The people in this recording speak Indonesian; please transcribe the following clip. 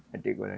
ada yang ngobrol